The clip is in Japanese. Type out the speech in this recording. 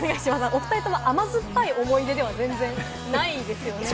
お２人とも甘酸っぱい思い出では全然ないですよね。